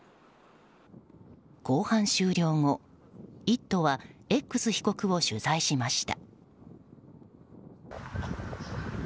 公判終了後、「イット！」はＸ被告を取材しました。